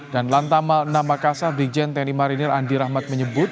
dan lantamal enam makassar brigjen tni marinir andi rahmat menyebut